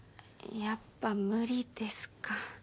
やっぱ無理ですか。